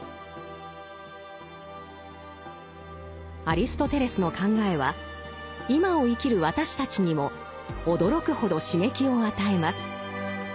アリストテレスの考えは今を生きる私たちにも驚くほど刺激を与えます。